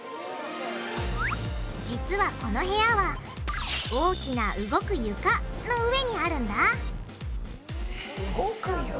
実はこの部屋は大きな動く床の上にあるんだ動く床。